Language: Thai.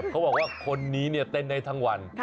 เขาบอกว่าคนนี้เต้นในทั้งวัน